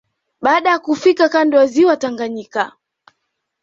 Baada ya kufika kando ya ziwa Tanganyika